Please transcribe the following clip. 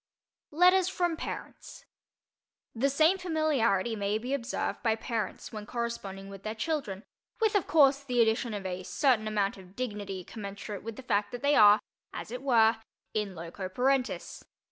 LETTERS FROM PARENTS THE same familiarity may be observed by parents when corresponding with their children, with, of course, the addition of a certain amount of dignity commensurate with the fact that they are, as it were, in loco parentis.